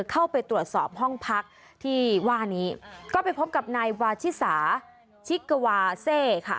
เข้าไปตรวจสอบห้องพักที่ว่านี้ก็ไปพบกับนายวาชิสาชิกวาเซค่ะ